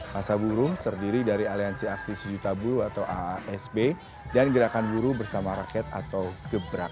masa buru terdiri dari aliansi aksi sejuta buru atau aasb dan gerakan buru bersama rakyat atau gebrak